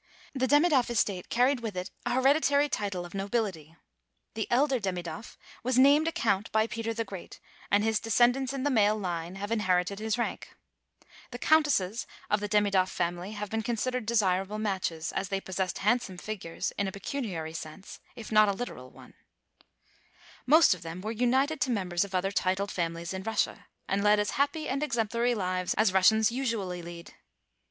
The Demidoff estate carried with it a hereditary title of nobility. The elder Demidoff was named a count by Peter the Great, and his descendants in the male line have inherited his rank. The count esses of the Demidoff family have been considered desirable matches, as they possessed handsome figures, in a pecuniary sense, if not in a literal one. 248 THE TALKING HANDKERCHIEF. Most of them were united to members of other titled families in Russia, and led as happy and exemplary lives as Russians usually lead.